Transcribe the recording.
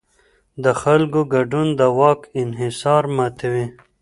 د خلکو ګډون د واک انحصار ماتوي